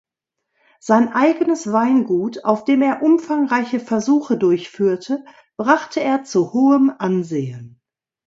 Sein eigenes Weingut, auf dem er umfangreiche Versuche durchführte, brachte er zu hohem Ansehen.